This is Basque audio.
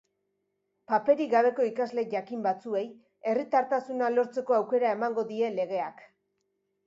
Paperik gabeko ikasle jakin batzuei herritartasuna lortzeko aukera emango die legeak.